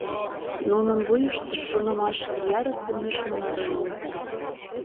— Нунын вуйыштышт шонымаш киярысе нӧшмӧ наре уло.